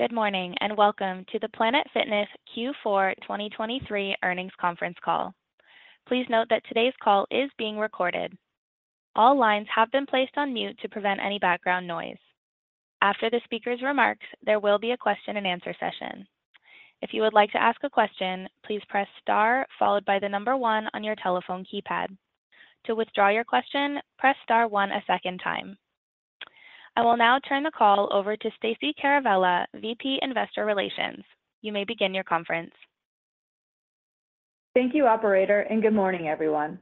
Good morning and welcome to the Planet Fitness Q4 2023 earnings conference call. Please note that today's call is being recorded. All lines have been placed on mute to prevent any background noise. After the speaker's remarks, there will be a question-and-answer session. If you would like to ask a question, please press star followed by the number one on your telephone keypad. To withdraw your question, press star one a second time. I will now turn the call over to Stacey Caravella, VP Investor Relations. You may begin your conference. Thank you, operator, and good morning, everyone.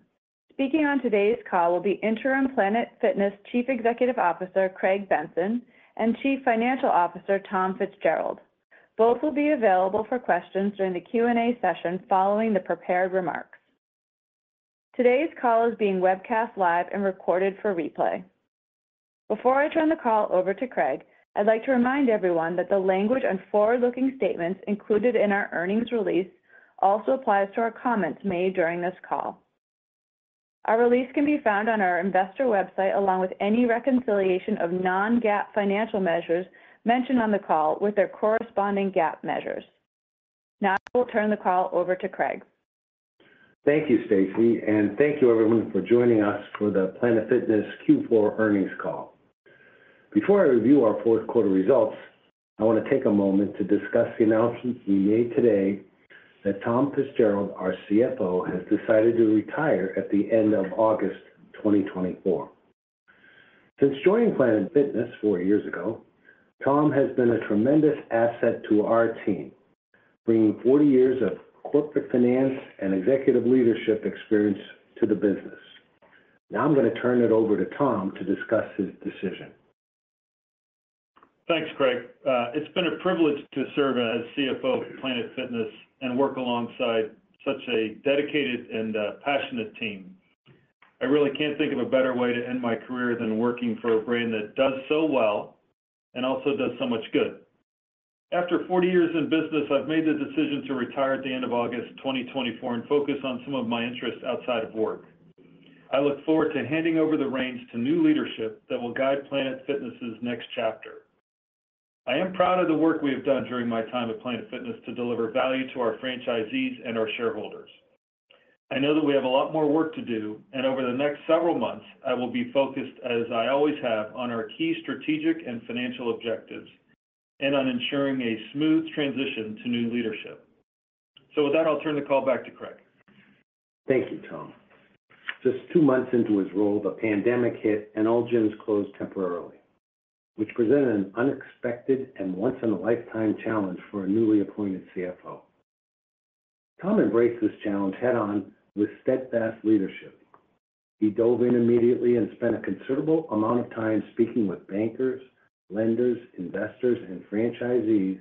Speaking on today's call will be Interim Planet Fitness Chief Executive Officer Craig Benson and Chief Financial Officer Tom Fitzgerald. Both will be available for questions during the Q&A session following the prepared remarks. Today's call is being webcast live and recorded for replay. Before I turn the call over to Craig, I'd like to remind everyone that the language on forward-looking statements included in our earnings release also applies to our comments made during this call. Our release can be found on our investor website along with any reconciliation of non-GAAP financial measures mentioned on the call with their corresponding GAAP measures. Now I will turn the call over to Craig. Thank you, Stacey, and thank you, everyone, for joining us for the Planet Fitness Q4 earnings call. Before I review our fourth-quarter results, I want to take a moment to discuss the announcement we made today that Tom Fitzgerald, our CFO, has decided to retire at the end of August 2024. Since joining Planet Fitness four years ago, Tom has been a tremendous asset to our team, bringing 40 years of corporate finance and executive leadership experience to the business. Now I'm going to turn it over to Tom to discuss his decision. Thanks, Craig. It's been a privilege to serve as CFO of Planet Fitness and work alongside such a dedicated and passionate team. I really can't think of a better way to end my career than working for a brand that does so well and also does so much good. After 40 years in business, I've made the decision to retire at the end of August 2024 and focus on some of my interests outside of work. I look forward to handing over the reins to new leadership that will guide Planet Fitness's next chapter. I am proud of the work we have done during my time at Planet Fitness to deliver value to our franchisees and our shareholders. I know that we have a lot more work to do, and over the next several months, I will be focused, as I always have, on our key strategic and financial objectives and on ensuring a smooth transition to new leadership. So with that, I'll turn the call back to Craig. Thank you, Tom. Just two months into his role, the pandemic hit, and all gyms closed temporarily, which presented an unexpected and once-in-a-lifetime challenge for a newly appointed CFO. Tom embraced this challenge head-on with steadfast leadership. He dove in immediately and spent a considerable amount of time speaking with bankers, lenders, investors, and franchisees,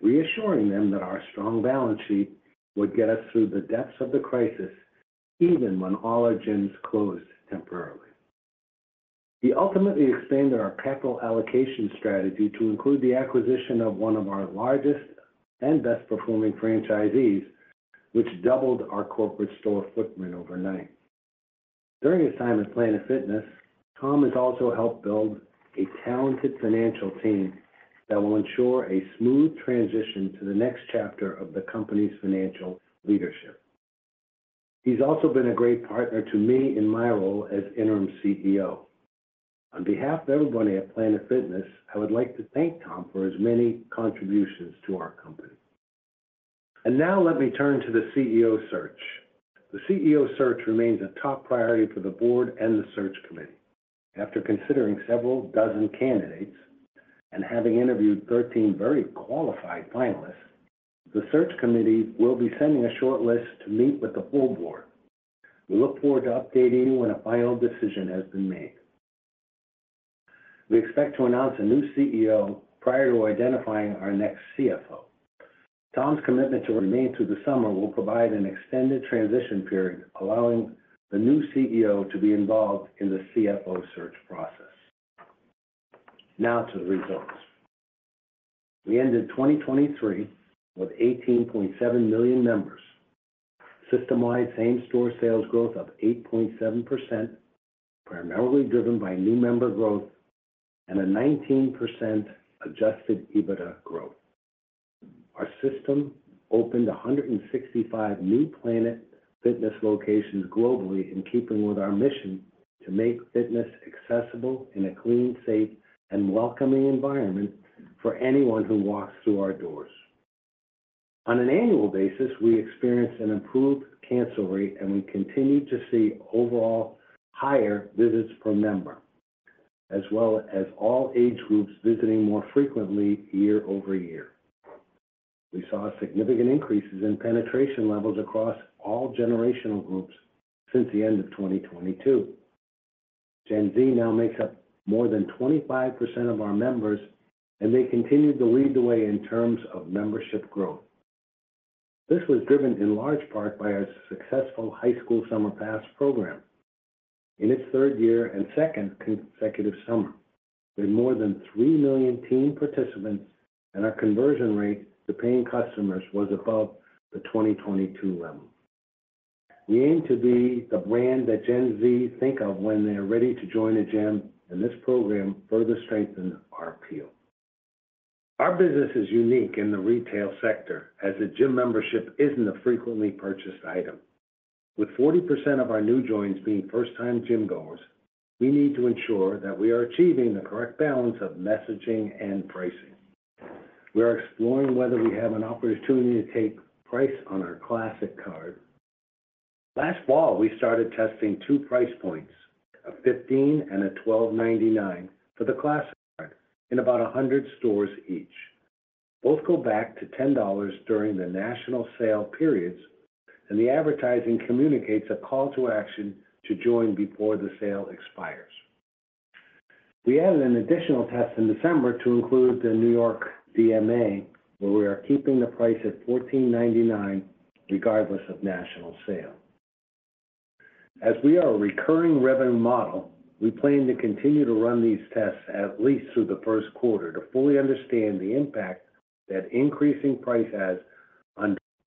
reassuring them that our strong balance sheet would get us through the depths of the crisis even when all our gyms closed temporarily. He ultimately expanded our capital allocation strategy to include the acquisition of one of our largest and best-performing franchisees, which doubled our corporate store footprint overnight. During his time at Planet Fitness, Tom has also helped build a talented financial team that will ensure a smooth transition to the next chapter of the company's financial leadership. He's also been a great partner to me in my role as Interim CEO. On behalf of everybody at Planet Fitness, I would like to thank Tom for his many contributions to our company. And now let me turn to the CEO search. The CEO search remains a top priority for the board and the search committee. After considering several dozen candidates and having interviewed 13 very qualified finalists, the search committee will be sending a short list to meet with the whole board. We look forward to updating you when a final decision has been made. We expect to announce a new CEO prior to identifying our next CFO. Tom's commitment to remain through the summer will provide an extended transition period, allowing the new CEO to be involved in the CFO search process. Now to the results. We ended 2023 with 18.7 million members, system-wide same-store sales growth of 8.7%, primarily driven by new member growth, and a 19% adjusted EBITDA growth. Our system opened 165 new Planet Fitness locations globally in keeping with our mission to make fitness accessible in a clean, safe, and welcoming environment for anyone who walks through our doors. On an annual basis, we experienced an improved cancel rate, and we continue to see overall higher visits per member, as well as all age groups visiting more frequently year-over-year. We saw significant increases in penetration levels across all generational groups since the end of 2022. Gen Z now makes up more than 25% of our members, and they continue to lead the way in terms of membership growth. This was driven in large part by our successful High School Summer Pass program. In its third year and second consecutive summer, we had more than three million teen participants, and our conversion rate to paying customers was above the 2022 level. We aim to be the brand that Gen Z think of when they're ready to join a gym, and this program further strengthens our appeal. Our business is unique in the retail sector, as a gym membership isn't a frequently purchased item. With 40% of our new joins being first-time gym-goers, we need to ensure that we are achieving the correct balance of messaging and pricing. We are exploring whether we have an opportunity to take price on our Classic Card. Last fall, we started testing two price points, a $15 and a $12.99, for the Classic Card in about 100 stores each. Both go back to $10 during the national sale periods, and the advertising communicates a call to action to join before the sale expires. We added an additional test in December to include the New York DMA, where we are keeping the price at $14.99 regardless of national sale. As we are a recurring revenue model, we plan to continue to run these tests at least through the first quarter to fully understand the impact that increasing price has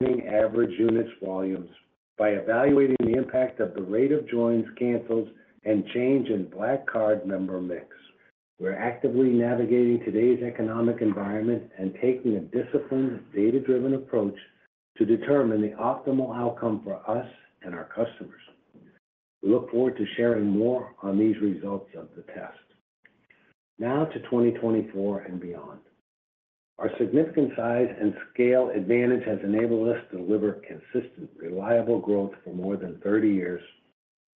on average units volumes by evaluating the impact of the rate of joins, cancels, and change in Black Card member mix. We're actively navigating today's economic environment and taking a disciplined, data-driven approach to determine the optimal outcome for us and our customers. We look forward to sharing more on these results of the test. Now to 2024 and beyond. Our significant size and scale advantage has enabled us to deliver consistent, reliable growth for more than 30 years,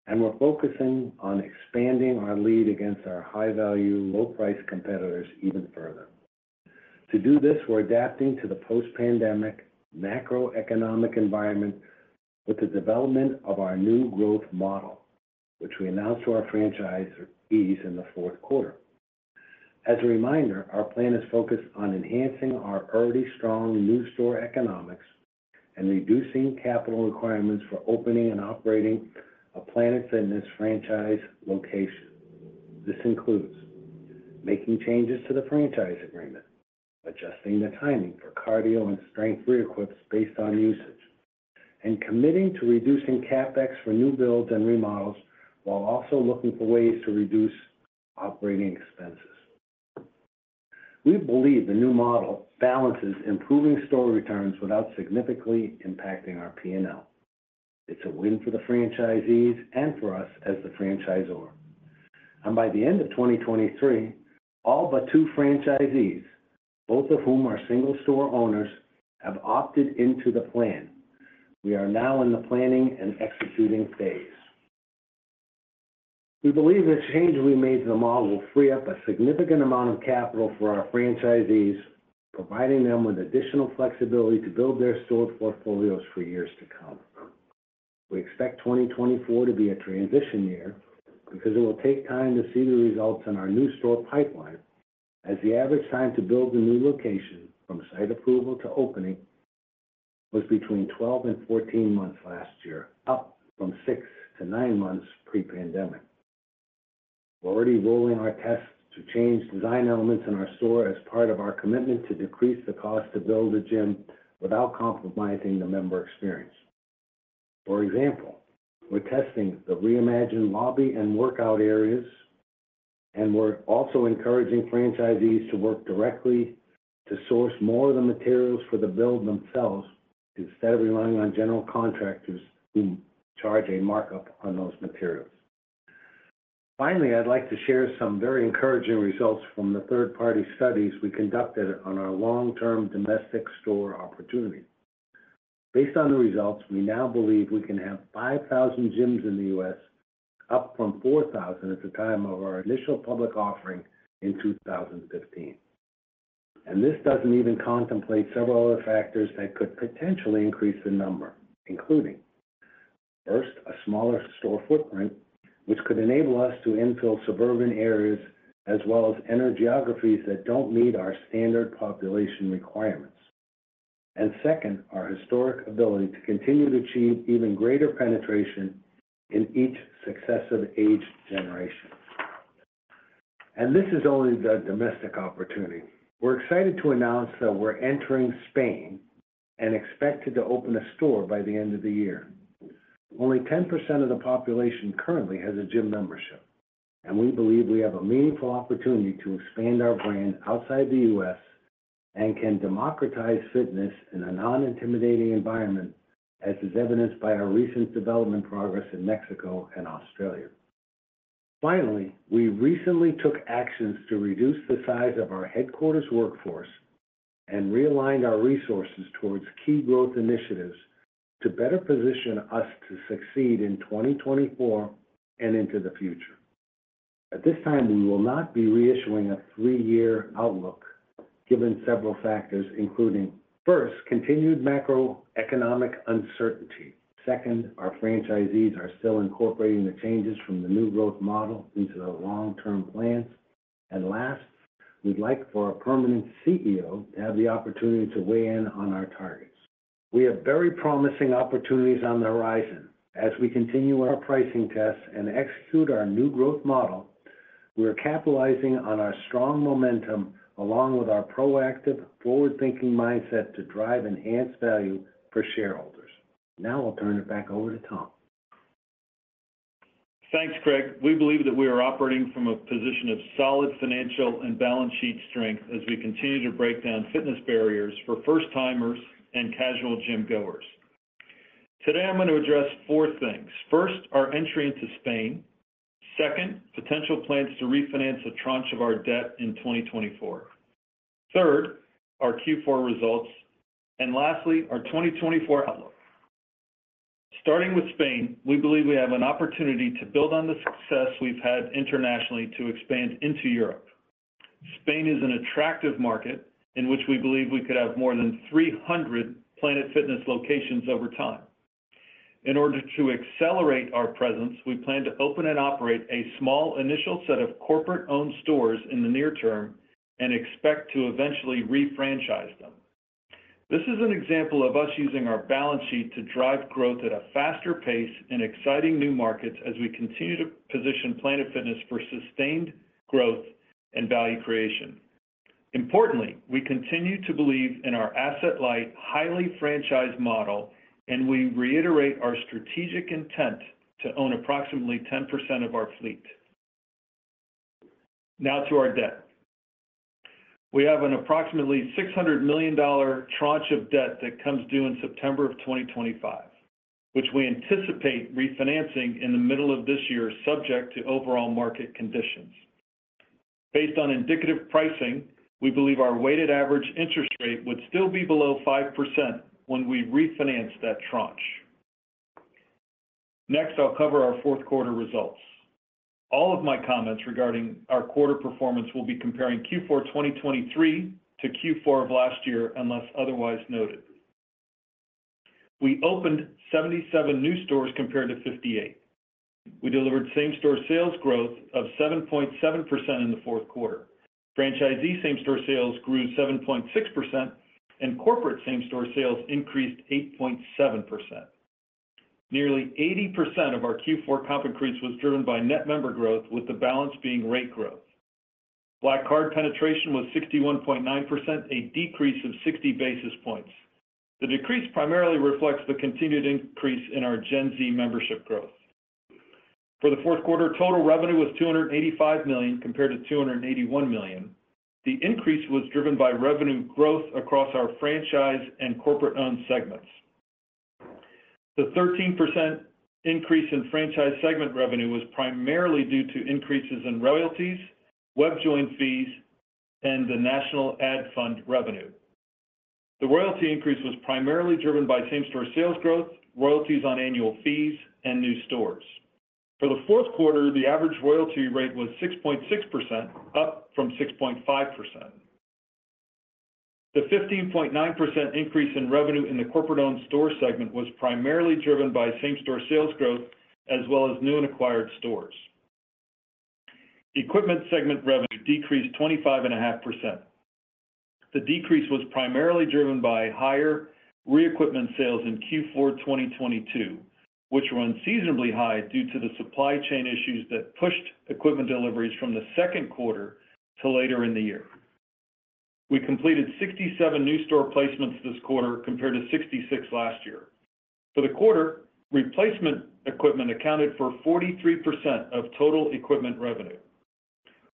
and we're focusing on expanding our lead against our high-value, low-priced competitors even further. To do this, we're adapting to the post-pandemic macroeconomic environment with the development of our New Growth Model, which we announced to our franchisees in the fourth quarter. As a reminder, our plan is focused on enhancing our already strong new-store economics and reducing capital requirements for opening and operating a Planet Fitness franchise location. This includes making changes to the franchise agreement, adjusting the timing for cardio and strength re-equips based on usage, and committing to reducing CapEx for new builds and remodels while also looking for ways to reduce operating expenses. We believe the new model balances improving store returns without significantly impacting our P&L. It's a win for the franchisees and for us as the franchisor. By the end of 2023, all but two franchisees, both of whom are single-store owners, have opted into the plan. We are now in the planning and executing phase. We believe the change we made to the model will free up a significant amount of capital for our franchisees, providing them with additional flexibility to build their store portfolios for years to come. We expect 2024 to be a transition year because it will take time to see the results in our new-store pipeline, as the average time to build a new location from site approval to opening was between 12 and 14 months last year, up from six to nine months pre-pandemic. We're already rolling out our tests to change design elements in our store as part of our commitment to decrease the cost to build a gym without compromising the member experience. For example, we're testing the reimagined lobby and workout areas, and we're also encouraging franchisees to work directly to source more of the materials for the build themselves instead of relying on general contractors who charge a markup on those materials. Finally, I'd like to share some very encouraging results from the third-party studies we conducted on our long-term domestic store opportunity. Based on the results, we now believe we can have 5,000 gyms in the U.S., up from 4,000 at the time of our initial public offering in 2015. And this doesn't even contemplate several other factors that could potentially increase the number, including: first, a smaller store footprint, which could enable us to infill suburban areas as well as enter geographies that don't meet our standard population requirements; and second, our historic ability to continue to achieve even greater penetration in each successive age generation. This is only the domestic opportunity. We're excited to announce that we're entering Spain and expected to open a store by the end of the year. Only 10% of the population currently has a gym membership, and we believe we have a meaningful opportunity to expand our brand outside the U.S. and can democratize fitness in a non-intimidating environment, as is evidenced by our recent development progress in Mexico and Australia. Finally, we recently took actions to reduce the size of our headquarters workforce and realigned our resources towards key growth initiatives to better position us to succeed in 2024 and into the future. At this time, we will not be reissuing a three-year outlook given several factors, including: first, continued macroeconomic uncertainty. Second, our franchisees are still incorporating the changes from the New Growth Model into their long-term plans. And last, we'd like for our permanent CEO to have the opportunity to weigh in on our targets. We have very promising opportunities on the horizon. As we continue our pricing tests and execute our New Growth Model, we're capitalizing on our strong momentum along with our proactive, forward-thinking mindset to drive enhanced value for shareholders. Now I'll turn it back over to Tom. Thanks, Craig. We believe that we are operating from a position of solid financial and balance sheet strength as we continue to break down fitness barriers for first-timers and casual gym-goers. Today, I'm going to address 4 things. First, our entry into Spain. Second, potential plans to refinance a tranche of our debt in 2024. Third, our Q4 results. And lastly, our 2024 outlook. Starting with Spain, we believe we have an opportunity to build on the success we've had internationally to expand into Europe. Spain is an attractive market in which we believe we could have more than 300 Planet Fitness locations over time. In order to accelerate our presence, we plan to open and operate a small initial set of corporate-owned stores in the near term and expect to eventually refranchise them. This is an example of us using our balance sheet to drive growth at a faster pace in exciting new markets as we continue to position Planet Fitness for sustained growth and value creation. Importantly, we continue to believe in our asset-light, highly franchised model, and we reiterate our strategic intent to own approximately 10% of our fleet. Now to our debt. We have an approximately $600 million tranche of debt that comes due in September of 2025, which we anticipate refinancing in the middle of this year subject to overall market conditions. Based on indicative pricing, we believe our weighted average interest rate would still be below 5% when we refinanced that tranche. Next, I'll cover our fourth quarter results. All of my comments regarding our quarter performance will be comparing Q4 2023 to Q4 of last year unless otherwise noted. We opened 77 new stores compared to 58. We delivered same-store sales growth of 7.7% in the fourth quarter. Franchisee same-store sales grew 7.6%, and corporate same-store sales increased 8.7%. Nearly 80% of our Q4 comp increase was driven by net member growth, with the balance being rate growth. Black Card penetration was 61.9%, a decrease of 60 basis points. The decrease primarily reflects the continued increase in our Gen Z membership growth. For the fourth quarter, total revenue was $285 million compared to $281 million. The increase was driven by revenue growth across our franchise and corporate-owned segments. The 13% increase in franchise segment revenue was primarily due to increases in royalties, web join fees, and the National Ad Fund revenue. The royalty increase was primarily driven by same-store sales growth, royalties on annual fees, and new stores. For the fourth quarter, the average royalty rate was 6.6%, up from 6.5%. The 15.9% increase in revenue in the corporate-owned store segment was primarily driven by same-store sales growth as well as new and acquired stores. Equipment segment revenue decreased 25.5%. The decrease was primarily driven by higher re-equipment sales in Q4 2022, which were unseasonably high due to the supply chain issues that pushed equipment deliveries from the second quarter to later in the year. We completed 67 new store placements this quarter compared to 66 last year. For the quarter, replacement equipment accounted for 43% of total equipment revenue.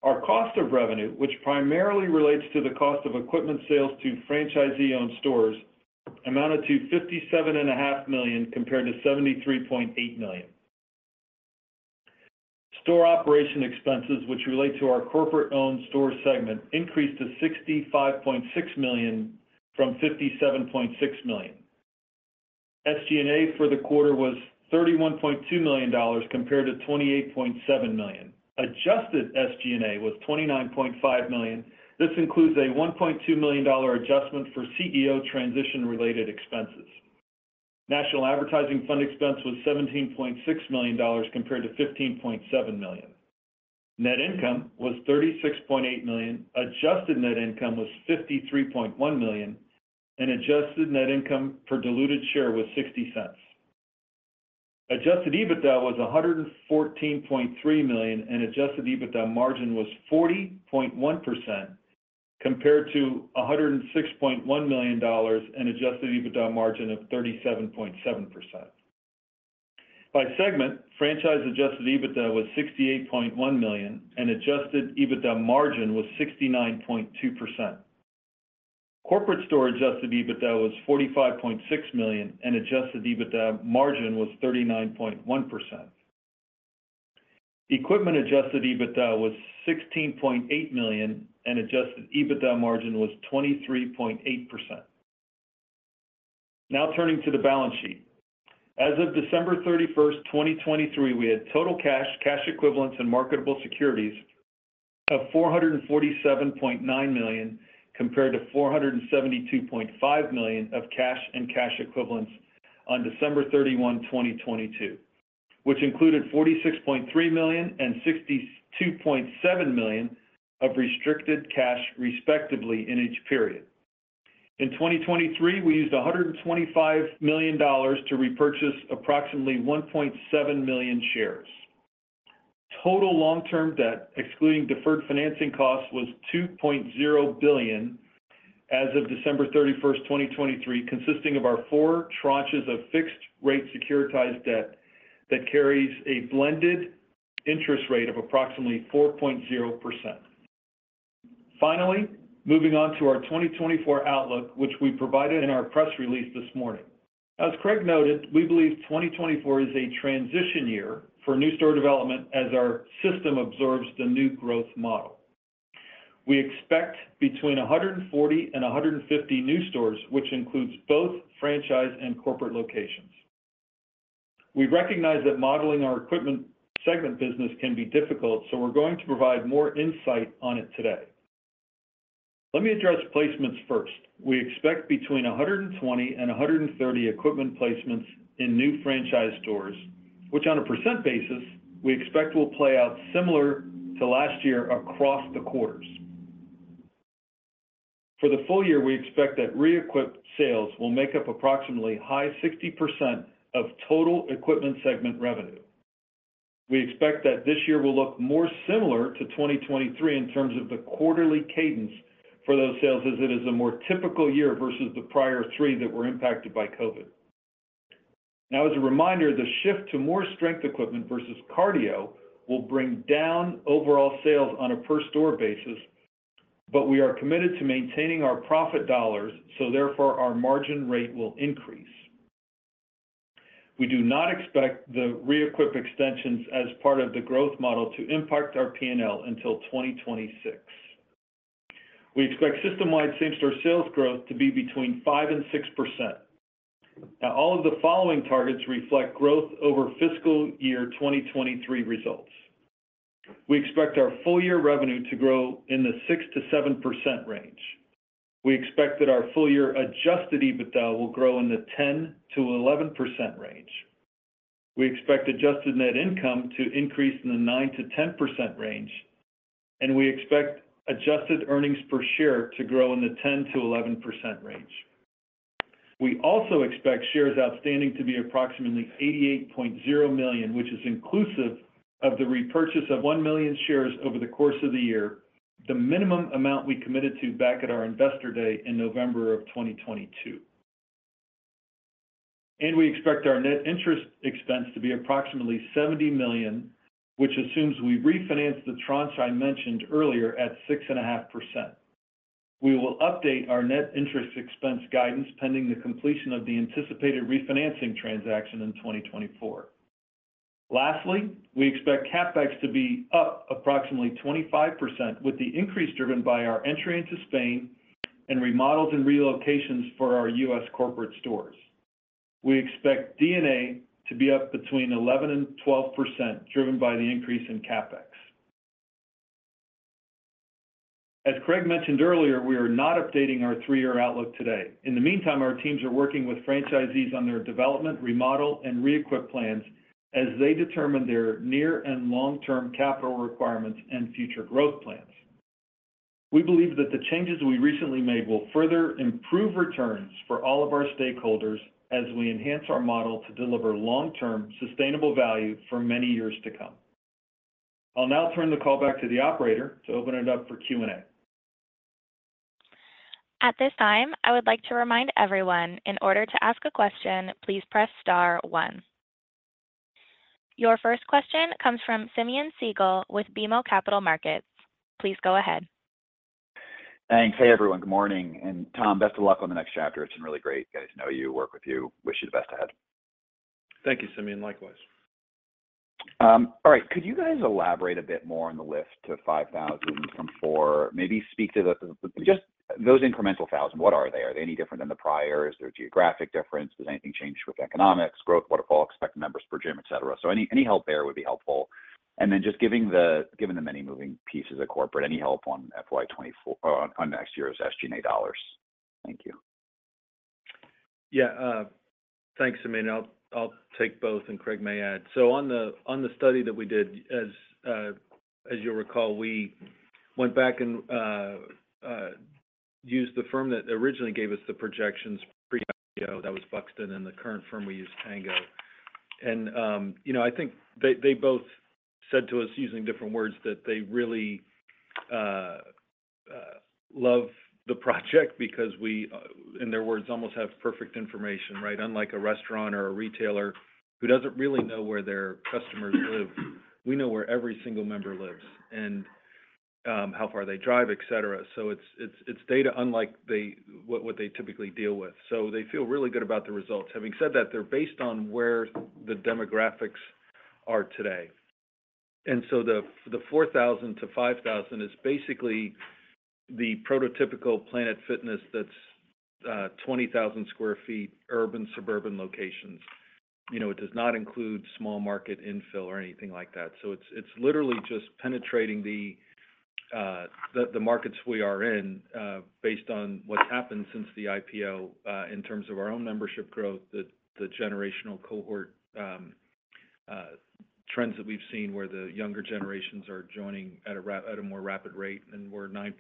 Our cost of revenue, which primarily relates to the cost of equipment sales to franchisee-owned stores, amounted to $57.5 million compared to $73.8 million. Store operation expenses, which relate to our corporate-owned store segment, increased to $65.6 million from $57.6 million. SG&A for the quarter was $31.2 million compared to $28.7 million. Adjusted SG&A was $29.5 million. This includes a $1.2 million adjustment for CEO transition-related expenses. National Advertising Fund expense was $17.6 million compared to $15.7 million. Net income was $36.8 million. Adjusted net income was $53.1 million, and adjusted net income per diluted share was $0.60. Adjusted EBITDA was $114.3 million, and adjusted EBITDA margin was 40.1% compared to $106.1 million and adjusted EBITDA margin of 37.7%. By segment, franchise adjusted EBITDA was $68.1 million, and adjusted EBITDA margin was 69.2%. Corporate store adjusted EBITDA was $45.6 million, and adjusted EBITDA margin was 39.1%. Equipment adjusted EBITDA was $16.8 million, and adjusted EBITDA margin was 23.8%. Now turning to the balance sheet. As of December 31, 2023, we had total cash, cash equivalents, and marketable securities of $447.9 million compared to $472.5 million of cash and cash equivalents on December 31, 2022, which included $46.3 million and $62.7 million of restricted cash, respectively, in each period. In 2023, we used $125 million to repurchase approximately 1.7 million shares. Total long-term debt, excluding deferred financing costs, was $2 billion as of December 31, 2023, consisting of our four tranches of fixed-rate securitized debt that carries a blended interest rate of approximately 4%. Finally, moving on to our 2024 outlook, which we provided in our press release this morning. As Craig noted, we believe 2024 is a transition year for new store development as our system absorbs the New Growth Model. We expect between 140 and 150 new stores, which includes both franchise and corporate locations. We recognize that modeling our equipment segment business can be difficult, so we're going to provide more insight on it today. Let me address placements first. We expect between 120 and 130 equipment placements in new franchise stores, which, on a percent basis, we expect will play out similar to last year across the quarters. For the full year, we expect that re-equipped sales will make up approximately high 60% of total equipment segment revenue. We expect that this year will look more similar to 2023 in terms of the quarterly cadence for those sales as it is a more typical year versus the prior three that were impacted by COVID. Now, as a reminder, the shift to more strength equipment versus cardio will bring down overall sales on a per-store basis, but we are committed to maintaining our profit dollars, so therefore our margin rate will increase. We do not expect the re-equip extensions as part of the growth model to impact our P&L until 2026. We expect system-wide same-store sales growth to be between 5% and 6%. Now, all of the following targets reflect growth over fiscal year 2023 results. We expect our full-year revenue to grow in the 6%-7% range. We expect that our full-year Adjusted EBITDA will grow in the 10%-11% range. We expect adjusted net income to increase in the 9%-10% range, and we expect adjusted earnings per share to grow in the 10%-11% range. We also expect shares outstanding to be approximately 88 million, which is inclusive of the repurchase of 1 million shares over the course of the year, the minimum amount we committed to back at our investor day in November of 2022. We expect our net interest expense to be approximately $70 million, which assumes we refinance the tranche I mentioned earlier at 6.5%. We will update our net interest expense guidance pending the completion of the anticipated refinancing transaction in 2024. Lastly, we expect CapEx to be up approximately 25% with the increase driven by our entry into Spain and remodels and relocations for our U.S. corporate stores. We expect D&A to be up between 11% and 12% driven by the increase in CapEx. As Craig mentioned earlier, we are not updating our three-year outlook today. In the meantime, our teams are working with franchisees on their development, remodel, and re-equip plans as they determine their near and long-term capital requirements and future growth plans. We believe that the changes we recently made will further improve returns for all of our stakeholders as we enhance our model to deliver long-term, sustainable value for many years to come. I'll now turn the call back to the operator to open it up for Q&A. At this time, I would like to remind everyone, in order to ask a question, please press star 1. Your first question comes from Simeon Siegel with BMO Capital Markets. Please go ahead. Thanks. Hey, everyone. Good morning. Tom, best of luck on the next chapter. It's been really great getting to know you, work with you. Wish you the best ahead. Thank you, Simeon. Likewise. All right. Could you guys elaborate a bit more on the lift to 5,000 from 4,000? Maybe speak to the just those incremental 1,000, what are they? Are they any different than the priors? Is there a geographic difference? Does anything change with economics, growth waterfall, expected members per gym, etc.? So any help there would be helpful. And then just given the many moving pieces at corporate, any help on FY24 on next year's SG&A dollars? Thank you. Yeah. Thanks, Simeon. I'll take both, and Craig may add. So on the study that we did, as you'll recall, we went back and used the firm that originally gave us the projections pre-IPO. That was Buxton, and the current firm we use, Tango. And I think they both said to us, using different words, that they really love the project because we, in their words, almost have perfect information, right? Unlike a restaurant or a retailer who doesn't really know where their customers live, we know where every single member lives and how far they drive, etc. So it's data unlike what they typically deal with. So they feel really good about the results. Having said that, they're based on where the demographics are today. And so the 4,000-5,000 is basically the prototypical Planet Fitness that's 20,000 sq ft urban, suburban locations. It does not include small market infill or anything like that. So it's literally just penetrating the markets we are in based on what's happened since the IPO in terms of our own membership growth, the generational cohort trends that we've seen where the younger generations are joining at a more rapid rate, and we're 9%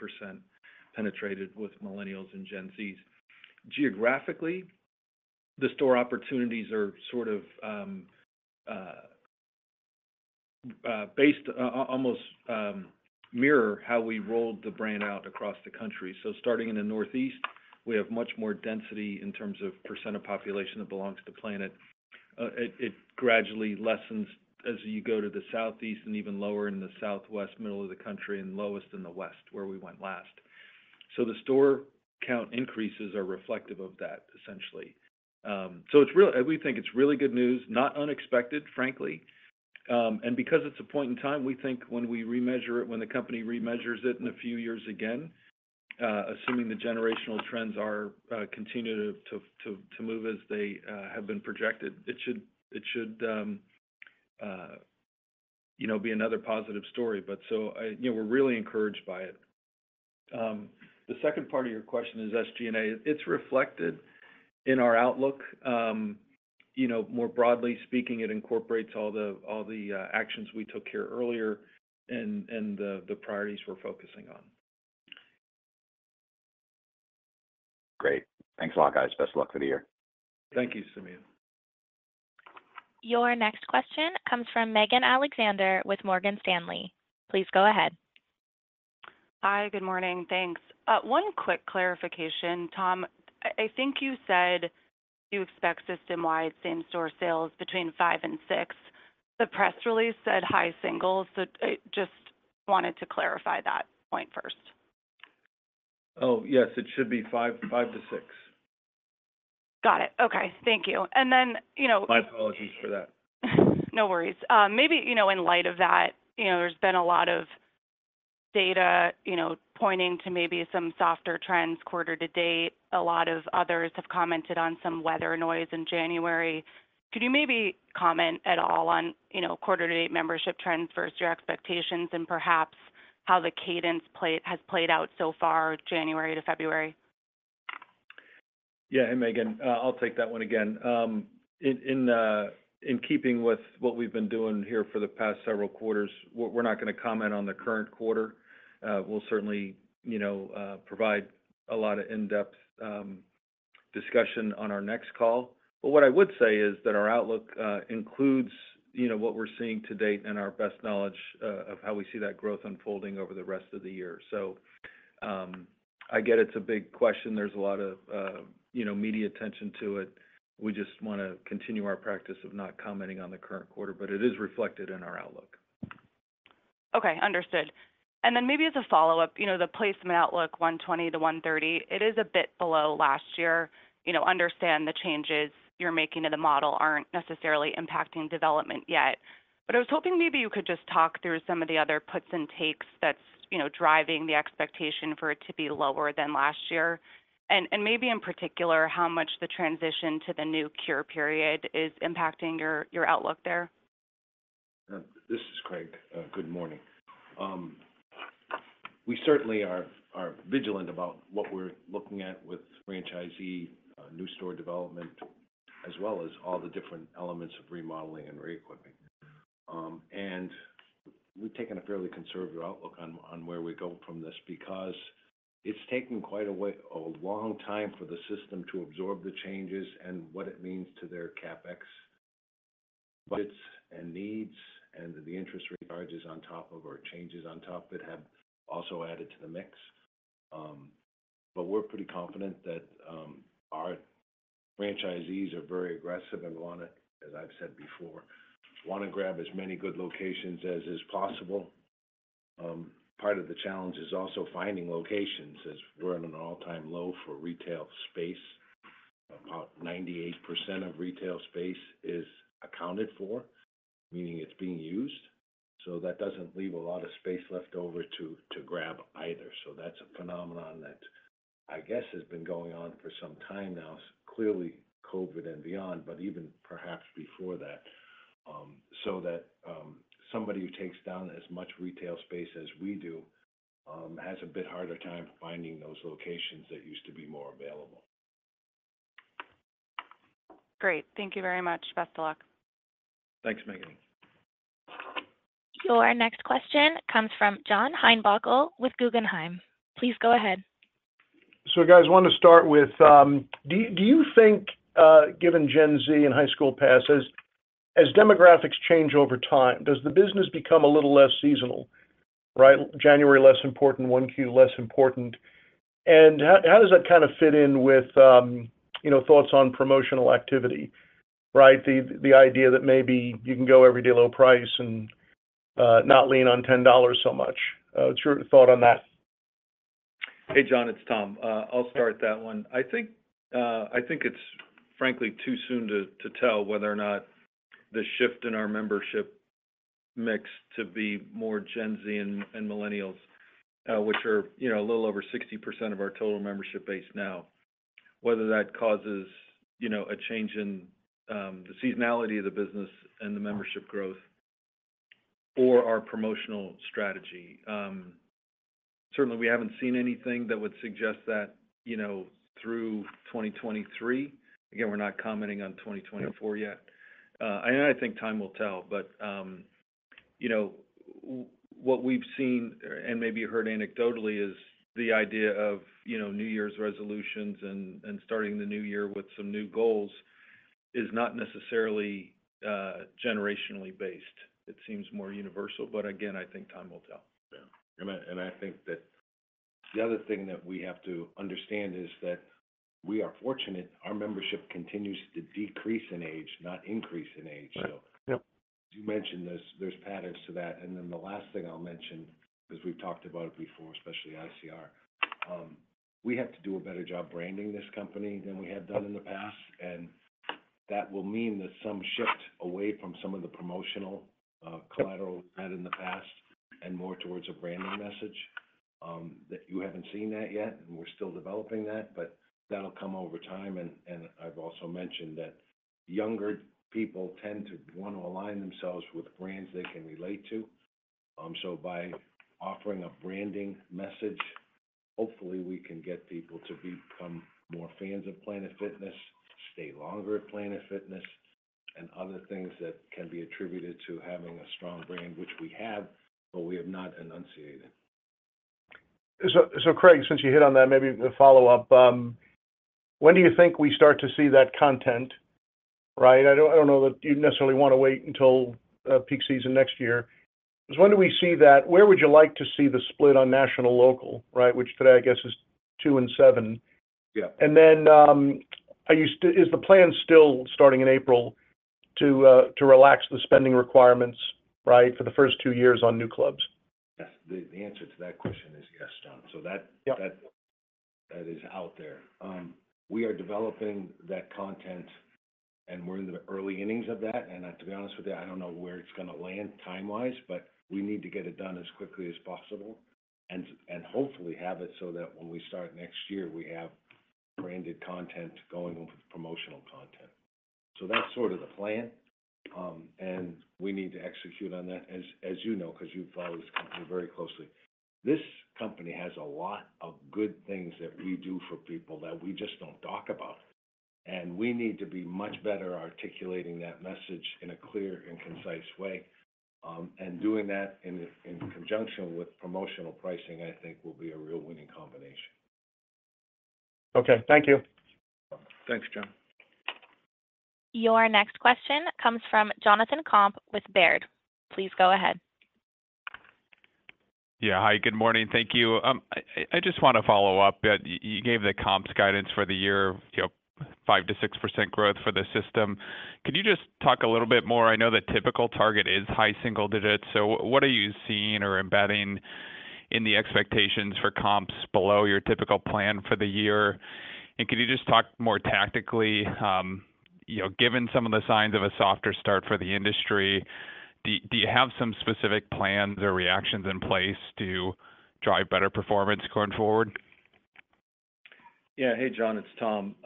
penetrated with millennials and Gen Zs. Geographically, the store opportunities are sort of based almost mirror how we rolled the brand out across the country. So starting in the northeast, we have much more density in terms of percent of population that belongs to Planet. It gradually lessens as you go to the southeast and even lower in the southwest, middle of the country, and lowest in the west where we went last. So the store count increases are reflective of that, essentially. So we think it's really good news, not unexpected, frankly. Because it's a point in time, we think when we remeasure it, when the company remeasures it in a few years again, assuming the generational trends are continuing to move as they have been projected, it should be another positive story. We're really encouraged by it. The second part of your question is SG&A. It's reflected in our outlook. More broadly speaking, it incorporates all the actions we took here earlier and the priorities we're focusing on. Great. Thanks a lot, guys. Best of luck for the year. Thank you, Simeon. Your next question comes from Megan Alexander with Morgan Stanley. Please go ahead. Hi. Good morning. Thanks. One quick clarification, Tom. I think you said you expect system-wide same-store sales between 5 and 6. The press release said high singles. So I just wanted to clarify that point first. Oh, yes. It should be five to six. Got it. Okay. Thank you. And then. My apologies for that. No worries. Maybe in light of that, there's been a lot of data pointing to maybe some softer trends quarter to date. A lot of others have commented on some weather noise in January. Could you maybe comment at all on quarter to date membership trends versus your expectations and perhaps how the cadence has played out so far January to February? Yeah. Hey, Megan. I'll take that one again. In keeping with what we've been doing here for the past several quarters, we're not going to comment on the current quarter. We'll certainly provide a lot of in-depth discussion on our next call. But what I would say is that our outlook includes what we're seeing to date and our best knowledge of how we see that growth unfolding over the rest of the year. So I get it's a big question. There's a lot of media attention to it. We just want to continue our practice of not commenting on the current quarter, but it is reflected in our outlook. Okay. Understood. And then maybe as a follow-up, the placement outlook, 120-130, it is a bit below last year. Understand the changes you're making to the model aren't necessarily impacting development yet. But I was hoping maybe you could just talk through some of the other puts and takes that's driving the expectation for it to be lower than last year. And maybe in particular, how much the transition to the new cure period is impacting your outlook there? This is Craig. Good morning. We certainly are vigilant about what we're looking at with franchisee new store development, as well as all the different elements of remodeling and re-equipping. We've taken a fairly conservative outlook on where we go from this because it's taken quite a long time for the system to absorb the changes and what it means to their CapEx budgets and needs and the interest rate charges on top of or changes on top that have also added to the mix. We're pretty confident that our franchisees are very aggressive and want to, as I've said before, want to grab as many good locations as is possible. Part of the challenge is also finding locations as we're in an all-time low for retail space. About 98% of retail space is accounted for, meaning it's being used. So that doesn't leave a lot of space left over to grab either. So that's a phenomenon that I guess has been going on for some time now, clearly COVID and beyond, but even perhaps before that, so that somebody who takes down as much retail space as we do has a bit harder time finding those locations that used to be more available. Great. Thank you very much. Best of luck. Thanks, Megan. Your next question comes from John Heinbockel with Guggenheim. Please go ahead. So, guys, I want to start with, do you think, given Gen Z and High School Passes, as demographics change over time, does the business become a little less seasonal, right? January less important, 1Q less important. And how does that kind of fit in with thoughts on promotional activity, right? The idea that maybe you can go every day low price and not lean on $10 so much. What's your thought on that? Hey, John. It's Tom. I'll start that one. I think it's, frankly, too soon to tell whether or not the shift in our membership mix to be more Gen Z and millennials, which are a little over 60% of our total membership base now, whether that causes a change in the seasonality of the business and the membership growth or our promotional strategy. Certainly, we haven't seen anything that would suggest that through 2023. Again, we're not commenting on 2024 yet. And I think time will tell. But what we've seen, and maybe you heard anecdotally, is the idea of New Year's resolutions and starting the new year with some new goals is not necessarily generationally based. It seems more universal. But again, I think time will tell. Yeah. I think that the other thing that we have to understand is that we are fortunate our membership continues to decrease in age, not increase in age. You mentioned there's patterns to that. The last thing I'll mention, because we've talked about it before, especially ICR, we have to do a better job branding this company than we have done in the past. That will mean that some shift away from some of the promotional collateral we've had in the past and more towards a branding message. You haven't seen that yet, and we're still developing that. But that'll come over time. I've also mentioned that younger people tend to want to align themselves with brands they can relate to. So by offering a branding message, hopefully, we can get people to become more fans of Planet Fitness, stay longer at Planet Fitness, and other things that can be attributed to having a strong brand, which we have, but we have not enunciated. Craig, since you hit on that, maybe a follow-up. When do you think we start to see that content, right? I don't know that you necessarily want to wait until peak season next year. Because when do we see that? Where would you like to see the split on national, local, right? Which today, I guess, is two and seven. Then is the plan still starting in April to relax the spending requirements, right, for the first two years on new clubs? Yes. The answer to that question is yes, John. So that is out there. We are developing that content, and we're in the early innings of that. And to be honest with you, I don't know where it's going to land timewise, but we need to get it done as quickly as possible and hopefully have it so that when we start next year, we have branded content going on with promotional content. So that's sort of the plan. And we need to execute on that, as you know, because you follow this company very closely. This company has a lot of good things that we do for people that we just don't talk about. And we need to be much better articulating that message in a clear and concise way. And doing that in conjunction with promotional pricing, I think, will be a real winning combination. Okay. Thank you. Thanks, John. Your next question comes from Jonathan Komp with Baird. Please go ahead. Yeah. Hi. Good morning. Thank you. I just want to follow up. You gave the comps guidance for the year, 5%-6% growth for the system. Can you just talk a little bit more? I know the typical target is high single digits. So what are you seeing or embedding in the expectations for comps below your typical plan for the year? And could you just talk more tactically? Given some of the signs of a softer start for the industry, do you have some specific plans or reactions in place to drive better performance going forward? Yeah. Hey, John. It's Tom.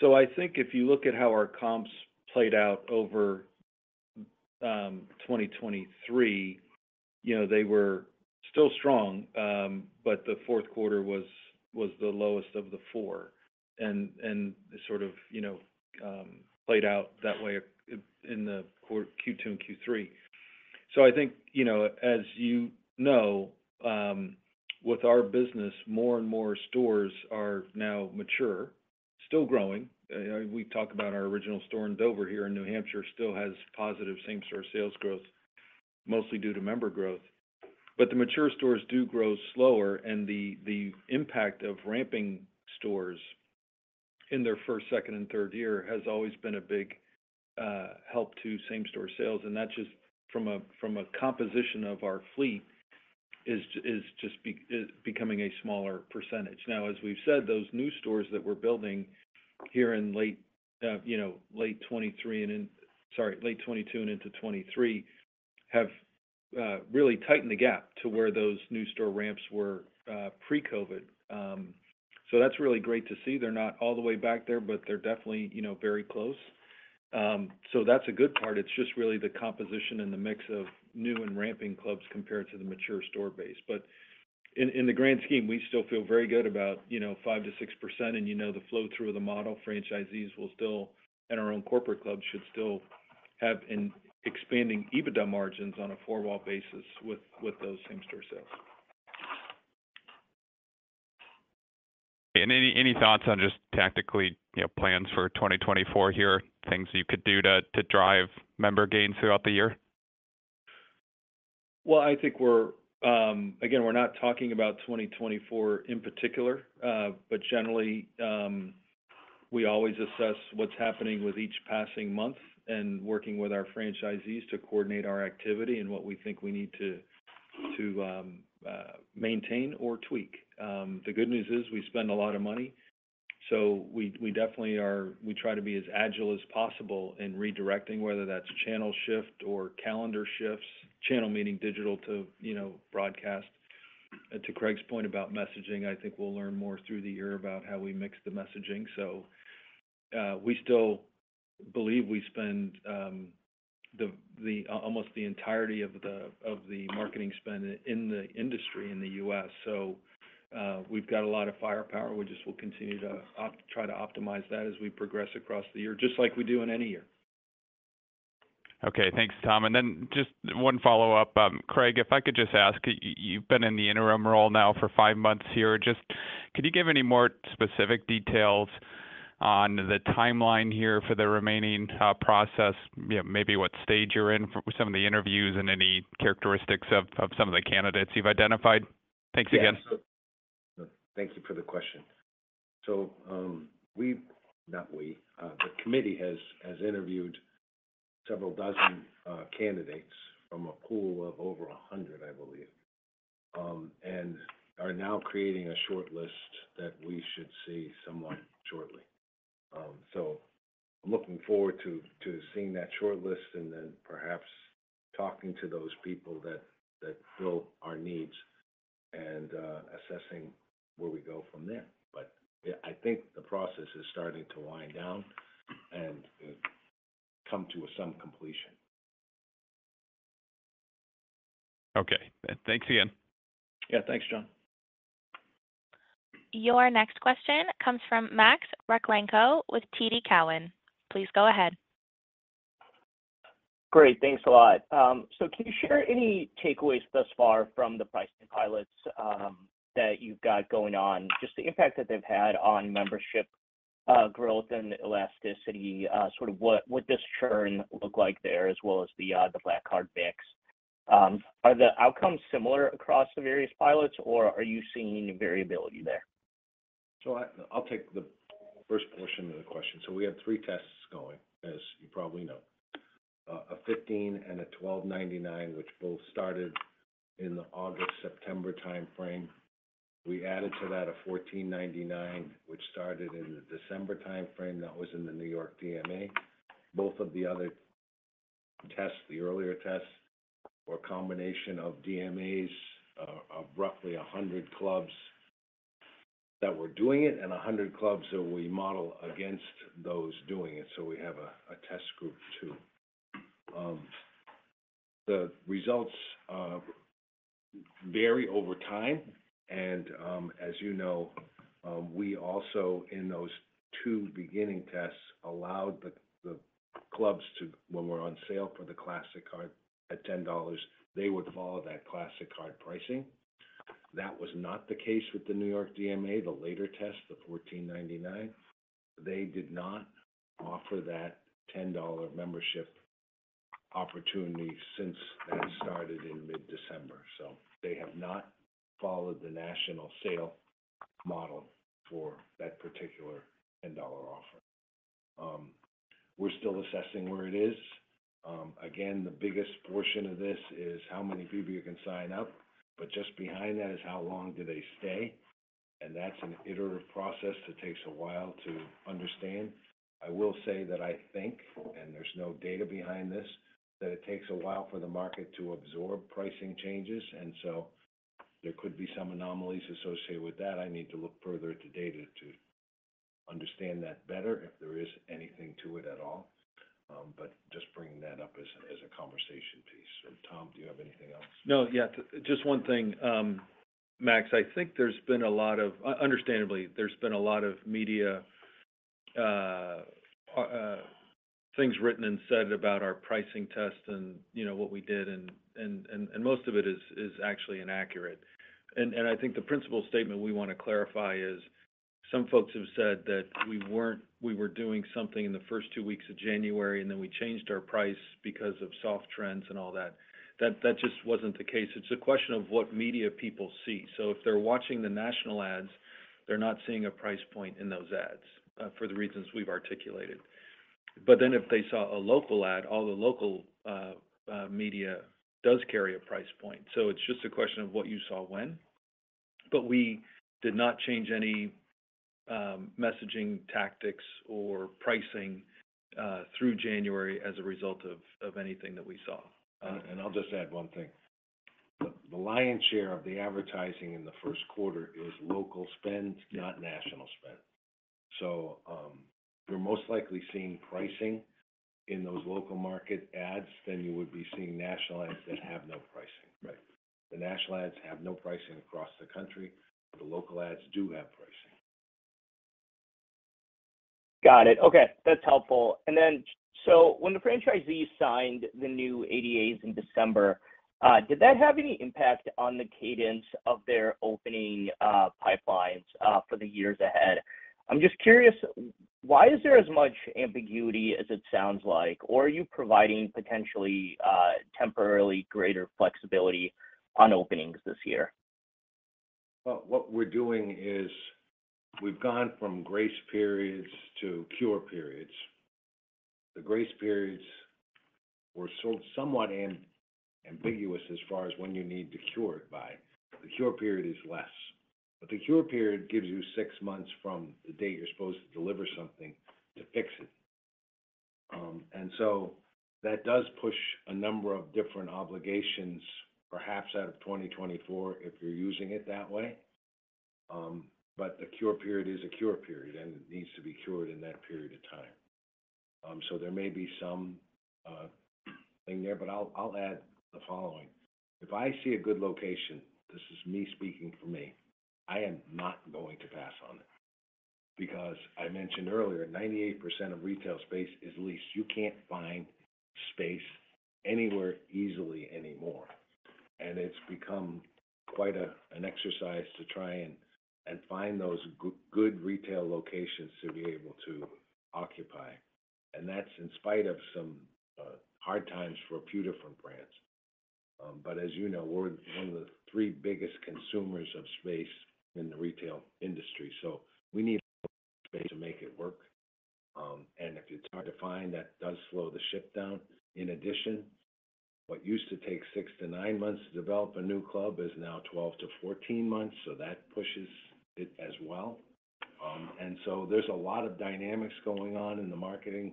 So I think if you look at how our comps played out over 2023, they were still strong, but the fourth quarter was the lowest of the four and sort of played out that way in the Q2 and Q3. So I think, as you know, with our business, more and more stores are now mature, still growing. We talk about our original store in Dover here in New Hampshire still has positive same-store sales growth, mostly due to member growth. But the mature stores do grow slower. And the impact of ramping stores in their first, second, and third year has always been a big help to same-store sales. And that just from a composition of our fleet is just becoming a smaller percentage. Now, as we've said, those new stores that we're building here in late 2023 and—sorry, late 2022 and into 2023 have really tightened the gap to where those new store ramps were pre-COVID. So that's really great to see. They're not all the way back there, but they're definitely very close. So that's a good part. It's just really the composition and the mix of new and ramping clubs compared to the mature store base. But in the grand scheme, we still feel very good about 5%-6%. And you know the flow-through of the model. Franchisees will still and our own corporate clubs should still have expanding EBITDA margins on a four-wall basis with those same-store sales. Any thoughts on just tactically plans for 2024 here, things you could do to drive member gains throughout the year? Well, I think, again, we're not talking about 2024 in particular. But generally, we always assess what's happening with each passing month and working with our franchisees to coordinate our activity and what we think we need to maintain or tweak. The good news is we spend a lot of money. So we definitely try to be as agile as possible in redirecting, whether that's channel shift or calendar shifts, channel meaning digital to broadcast. To Craig's point about messaging, I think we'll learn more through the year about how we mix the messaging. So we still believe we spend almost the entirety of the marketing spend in the industry in the U.S. So we've got a lot of firepower. We just will continue to try to optimize that as we progress across the year, just like we do in any year. Okay. Thanks, Tom. And then just one follow-up. Craig, if I could just ask, you've been in the interim role now for five months here. Just could you give any more specific details on the timeline here for the remaining process, maybe what stage you're in with some of the interviews and any characteristics of some of the candidates you've identified? Thanks again. Thank you for the question. The committee has interviewed several dozen candidates from a pool of over 100, I believe, and are now creating a shortlist that we should see somewhat shortly. So I'm looking forward to seeing that shortlist and then perhaps talking to those people that fill our needs and assessing where we go from there. But I think the process is starting to wind down and come to some completion. Okay. Thanks again. Yeah. Thanks, John. Your next question comes from Max Rakhlenko with TD Cowen. Please go ahead. Great. Thanks a lot. So can you share any takeaways thus far from the pricing pilots that you've got going on, just the impact that they've had on membership growth and elasticity, sort of what this churn looked like there as well as the Black Card mix? Are the outcomes similar across the various pilots, or are you seeing variability there? So I'll take the first portion of the question. So we have three tests going, as you probably know, a $15 and a $12.99, which both started in the August-September timeframe. We added to that a $14.99, which started in the December timeframe. That was in the New York DMA. Both of the other tests, the earlier tests, were a combination of DMAs of roughly 100 clubs that were doing it and 100 clubs that we model against those doing it. So we have a test group, too. The results vary over time. And as you know, we also, in those two beginning tests, allowed the clubs to when we're on sale for the Classic Card at $10, they would follow that Classic Card pricing. That was not the case with the New York DMA, the later test, the $14.99. They did not offer that $10 membership opportunity since that started in mid-December. So they have not followed the national sale model for that particular $10 offer. We're still assessing where it is. Again, the biggest portion of this is how many people you can sign up. But just behind that is how long do they stay. And that's an iterative process that takes a while to understand. I will say that I think, and there's no data behind this, that it takes a while for the market to absorb pricing changes. And so there could be some anomalies associated with that. I need to look further at the data to understand that better, if there is anything to it at all. But just bringing that up as a conversation piece. So Tom, do you have anything else? No. Yeah. Just one thing, Max. I think, understandably, there's been a lot of media things written and said about our pricing test and what we did. And most of it is actually inaccurate. And I think the principal statement we want to clarify is some folks have said that we were doing something in the first two weeks of January, and then we changed our price because of soft trends and all that. That just wasn't the case. It's a question of what media people see. So if they're watching the national ads, they're not seeing a price point in those ads for the reasons we've articulated. But then if they saw a local ad, all the local media does carry a price point. So it's just a question of what you saw when. But we did not change any messaging tactics or pricing through January as a result of anything that we saw. I'll just add one thing. The lion's share of the advertising in the first quarter is local spend, not national spend. So you're most likely seeing pricing in those local market ads than you would be seeing national ads that have no pricing. The national ads have no pricing across the country. The local ads do have pricing. Got it. Okay. That's helpful. And then so when the franchisees signed the new ADAs in December, did that have any impact on the cadence of their opening pipelines for the years ahead? I'm just curious, why is there as much ambiguity as it sounds like, or are you providing potentially temporarily greater flexibility on openings this year? Well, what we're doing is we've gone from grace periods to cure periods. The grace periods were somewhat ambiguous as far as when you need to cure it by. The cure period is less. But the cure period gives you six months from the date you're supposed to deliver something to fix it. And so that does push a number of different obligations, perhaps out of 2024 if you're using it that way. But the cure period is a cure period, and it needs to be cured in that period of time. So there may be something there. But I'll add the following. If I see a good location - this is me speaking for me - I am not going to pass on it because I mentioned earlier, 98% of retail space is leased. You can't find space anywhere easily anymore. It's become quite an exercise to try and find those good retail locations to be able to occupy. That's in spite of some hard times for a few different brands. But as you know, we're one of the three biggest consumers of space in the retail industry. So we need space to make it work. If it's hard to find, that does slow the ship down. In addition, what used to take six to nine months to develop a new club is now 12-14 months. So that pushes it as well. There's a lot of dynamics going on in the marketing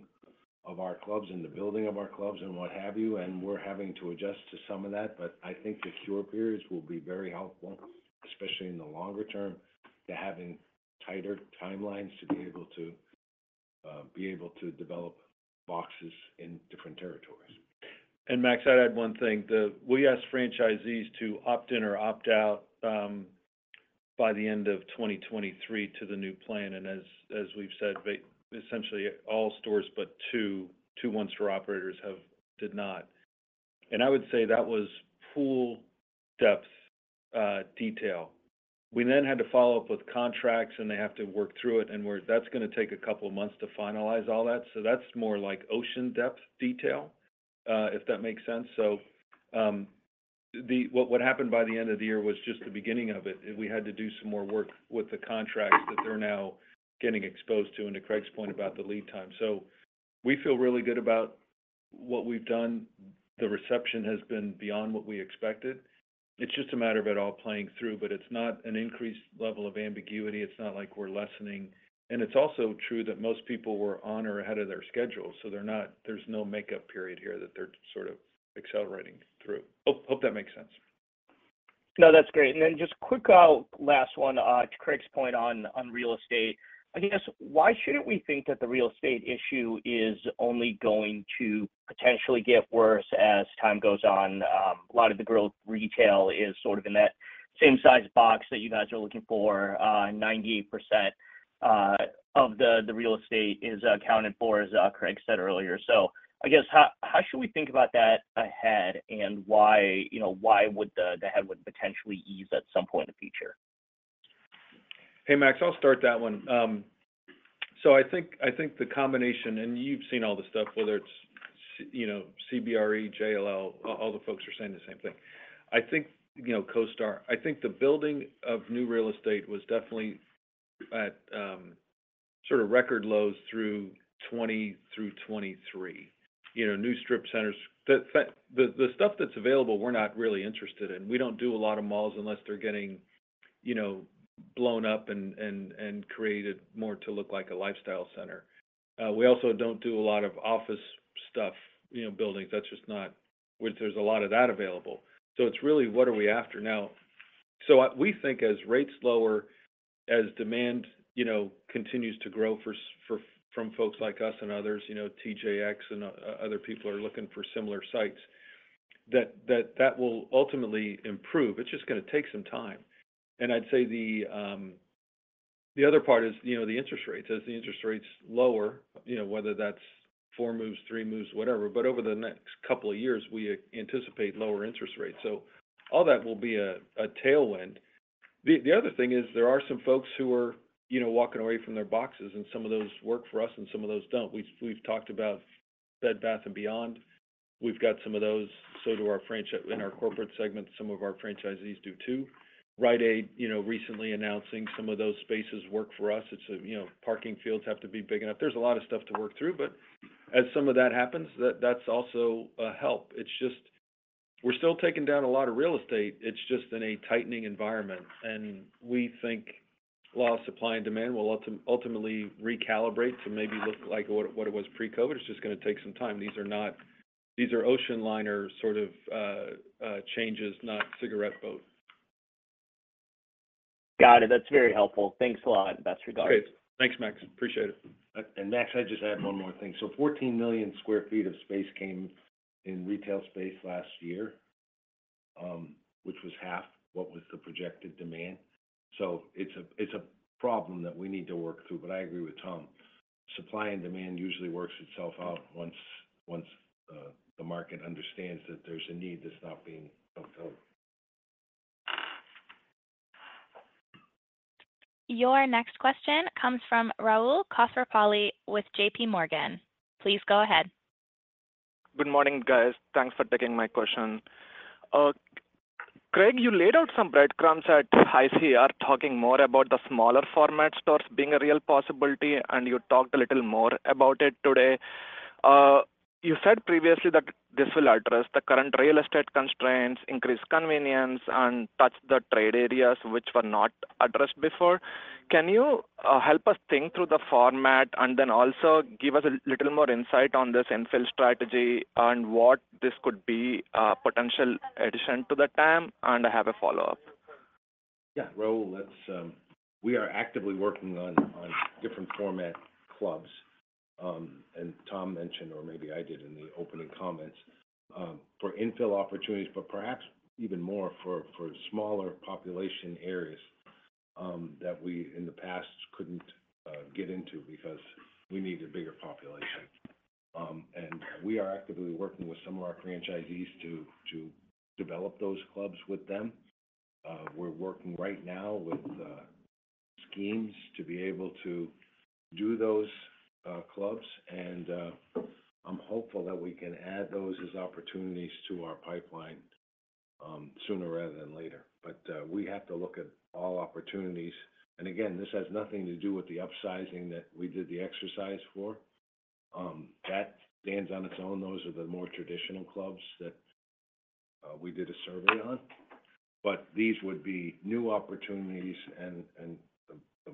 of our clubs and the building of our clubs and what have you. We're having to adjust to some of that. I think the Cure periods will be very helpful, especially in the longer term, to having tighter timelines to be able to develop boxes in different territories. And Max, I'd add one thing. We asked franchisees to opt in or opt out by the end of 2023 to the new plan. And as we've said, essentially all stores but two one-store operators did not. And I would say that was pool depth detail. We then had to follow up with contracts, and they have to work through it. And that's going to take a couple of months to finalize all that. So that's more like ocean depth detail, if that makes sense. So what happened by the end of the year was just the beginning of it. We had to do some more work with the contracts that they're now getting exposed to. And to Craig's point about the lead time, so we feel really good about what we've done. The reception has been beyond what we expected. It's just a matter of it all playing through. It's not an increased level of ambiguity. It's not like we're lessening. It's also true that most people were on or ahead of their schedule. There's no makeup period here that they're sort of accelerating through. Hope that makes sense. No, that's great. And then just quick last one to Craig's point on real estate. I guess, why shouldn't we think that the real estate issue is only going to potentially get worse as time goes on? A lot of the growth retail is sort of in that same-sized box that you guys are looking for. 98% of the real estate is accounted for, as Craig said earlier. So I guess, how should we think about that ahead, and why would the headwind would potentially ease at some point in the future? Hey, Max, I'll start that one. So I think the combination, and you've seen all the stuff, whether it's CBRE, JLL, all the folks are saying the same thing. I think CoStar. I think the building of new real estate was definitely at sort of record lows through 2023. New strip centers. The stuff that's available, we're not really interested in. We don't do a lot of malls unless they're getting blown up and created more to look like a lifestyle center. We also don't do a lot of office stuff buildings. That's just not where there's a lot of that available. So it's really, what are we after now? So we think as rates lower, as demand continues to grow from folks like us and others, TJX and other people are looking for similar sites, that that will ultimately improve. It's just going to take some time. I'd say the other part is the interest rates. As the interest rates lower, whether that's 4 moves, 3 moves, whatever, but over the next couple of years, we anticipate lower interest rates. So all that will be a tailwind. The other thing is there are some folks who are walking away from their boxes. And some of those work for us, and some of those don't. We've talked about Bed Bath & Beyond. We've got some of those. So do our in our corporate segment, some of our franchisees do, too. Rite Aid recently announcing some of those spaces work for us. Parking fields have to be big enough. There's a lot of stuff to work through. But as some of that happens, that's also a help. We're still taking down a lot of real estate. It's just in a tightening environment. We think law of supply and demand will ultimately recalibrate to maybe look like what it was pre-COVID. It's just going to take some time. These are ocean liner sort of changes, not cigarette boat. Got it. That's very helpful. Thanks a lot in that regard. Great. Thanks, Max. Appreciate it. Max, I'd just add one more thing. 14 million sq ft of space came in retail space last year, which was half what was the projected demand. It's a problem that we need to work through. But I agree with Tom. Supply and demand usually works itself out once the market understands that there's a need that's not being fulfilled. Your next question comes from Rahul Krotthapalli with JPMorgan. Please go ahead. Good morning, guys. Thanks for taking my question. Craig, you laid out some breadcrumbs at ICR talking more about the smaller format stores being a real possibility, and you talked a little more about it today. You said previously that this will address the current real estate constraints, increase convenience, and touch the trade areas, which were not addressed before. Can you help us think through the format and then also give us a little more insight on this infill strategy and what this could be a potential addition to the TAM? And I have a follow-up. Yeah. Rahul, we are actively working on different format clubs. Tom mentioned, or maybe I did in the opening comments, for infill opportunities, but perhaps even more for smaller population areas that we in the past couldn't get into because we needed a bigger population. We are actively working with some of our franchisees to develop those clubs with them. We're working right now with teams to be able to do those clubs. I'm hopeful that we can add those as opportunities to our pipeline sooner rather than later. We have to look at all opportunities. Again, this has nothing to do with the upsizing that we did the exercise for. That stands on its own. Those are the more traditional clubs that we did a survey on. These would be new opportunities. The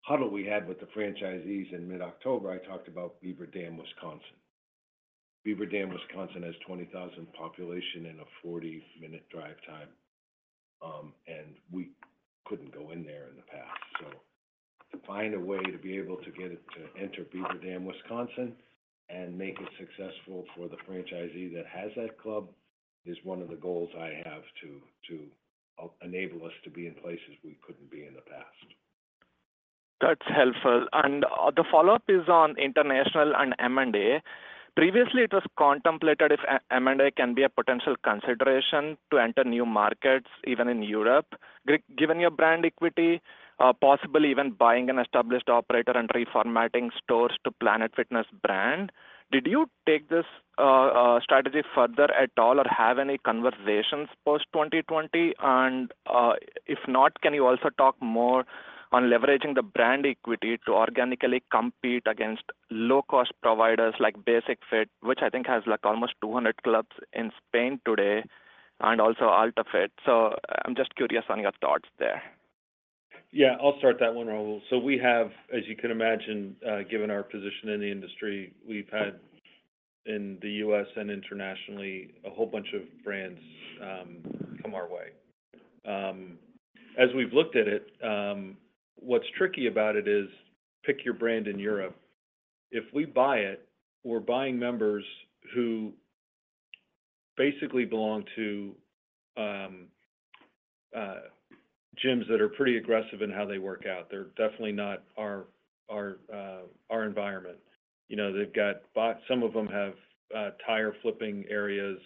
huddle we had with the franchisees in mid-October, I talked about Beaver Dam, Wisconsin. Beaver Dam, Wisconsin has 20,000 population in a 40-minute drive time. We couldn't go in there in the past. So to find a way to be able to get it to enter Beaver Dam, Wisconsin, and make it successful for the franchisee that has that club is one of the goals I have to enable us to be in places we couldn't be in the past. That's helpful. And the follow-up is on international and M&A. Previously, it was contemplated if M&A can be a potential consideration to enter new markets, even in Europe, given your brand equity, possibly even buying an established operator and reformatting stores to Planet Fitness brand. Did you take this strategy further at all or have any conversations post-2020? And if not, can you also talk more on leveraging the brand equity to organically compete against low-cost providers like Basic-Fit, which I think has almost 200 clubs in Spain today, and also AltaFit? So I'm just curious on your thoughts there? Yeah. I'll start that one, Rahul. So we have, as you can imagine, given our position in the industry, we've had in the U.S. and internationally a whole bunch of brands come our way. As we've looked at it, what's tricky about it is pick your brand in Europe. If we buy it, we're buying members who basically belong to gyms that are pretty aggressive in how they work out. They're definitely not our environment. They've got some of them have tire-flipping areas,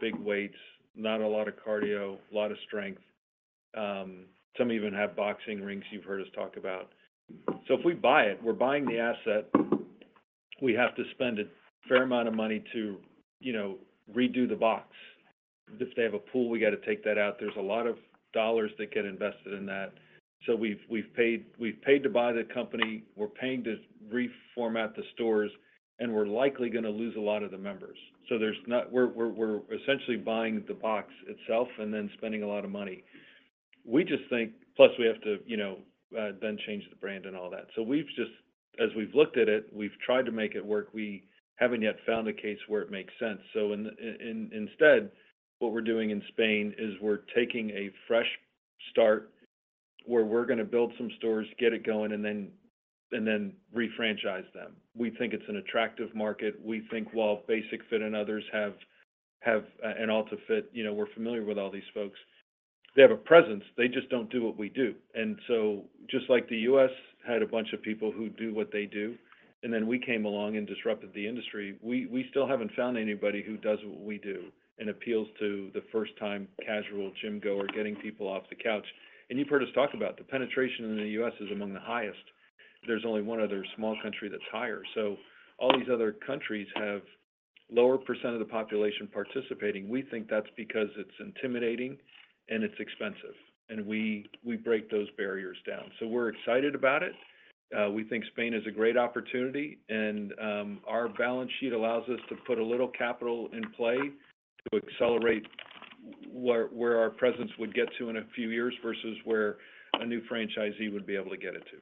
big weights, not a lot of cardio, a lot of strength. Some even have boxing rings you've heard us talk about. So if we buy it, we're buying the asset. We have to spend a fair amount of money to redo the box. If they have a pool, we got to take that out. There's a lot of dollars that get invested in that. So we've paid to buy the company. We're paying to reformat the stores. We're likely going to lose a lot of the members. So we're essentially buying the box itself and then spending a lot of money. Plus, we have to then change the brand and all that. So as we've looked at it, we've tried to make it work. We haven't yet found a case where it makes sense. So instead, what we're doing in Spain is we're taking a fresh start where we're going to build some stores, get it going, and then refranchise them. We think it's an attractive market. We think while Basic-Fit and others have and AltaFit, we're familiar with all these folks. They have a presence. They just don't do what we do. Just like the U.S. had a bunch of people who do what they do, and then we came along and disrupted the industry, we still haven't found anybody who does what we do and appeals to the first-time casual gym-goer, getting people off the couch. You've heard us talk about the penetration in the U.S. is among the highest. There's only one other small country that's higher. All these other countries have lower percent of the population participating. We think that's because it's intimidating, and it's expensive. We break those barriers down. We're excited about it. We think Spain is a great opportunity. Our balance sheet allows us to put a little capital in play to accelerate where our presence would get to in a few years versus where a new franchisee would be able to get it to.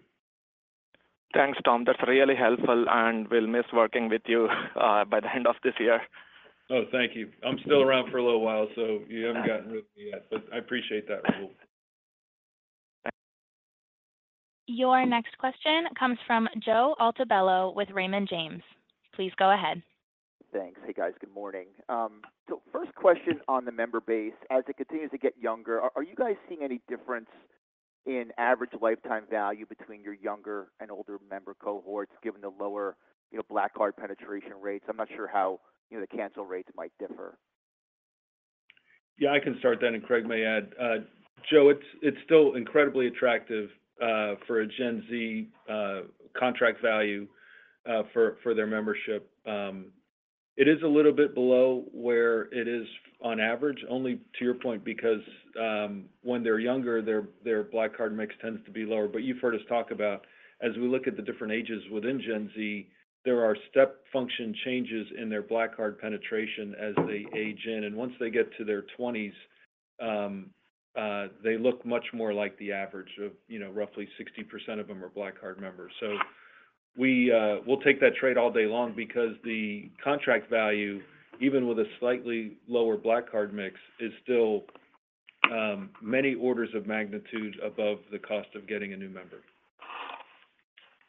Thanks, Tom. That's really helpful. And we'll miss working with you by the end of this year. Oh, thank you. I'm still around for a little while, so you haven't gotten rid of me yet. But I appreciate that, Rahul. Thanks. Your next question comes from Joe Altobello with Raymond James. Please go ahead. Thanks. Hey, guys. Good morning. So first question on the member base. As it continues to get younger, are you guys seeing any difference in average lifetime value between your younger and older member cohorts given the lower Black Card penetration rates? I'm not sure how the cancel rates might differ. Yeah, I can start that. And Craig may add. Joe, it's still incredibly attractive for a Gen Z contract value for their membership. It is a little bit below where it is on average, only to your point, because when they're younger, their Black Card mix tends to be lower. But you've heard us talk about, as we look at the different ages within Gen Z, there are step function changes in their Black Card penetration as they age in. And once they get to their 20s, they look much more like the average of roughly 60% of them are Black Card members. So we'll take that trade all day long because the contract value, even with a slightly lower Black Card mix, is still many orders of magnitude above the cost of getting a new member.